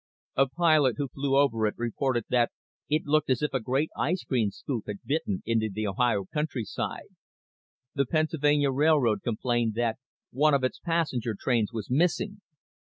A pilot who flew over it reported that it looked as if a great ice cream scoop had bitten into the Ohio countryside. The Pennsylvania Railroad complained that one of its passenger trains was missing.